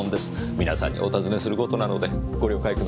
皆さんにお訊ねする事なのでご了解ください。